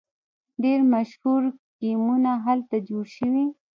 ډیر مشهور ګیمونه هلته جوړ شوي.